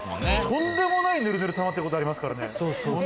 とんでもないヌルヌル溜まってることありますからね。